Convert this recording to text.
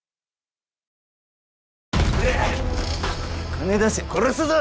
金出せ殺すぞ。